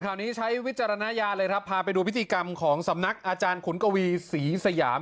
นี้ใช้วิจารณญาณเลยครับพาไปดูพิธีกรรมของสำนักอาจารย์ขุนกวีศรีสยาม